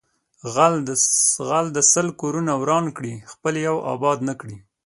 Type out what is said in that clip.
غل د سل کورونه وران کړي خپل یو آباد نکړي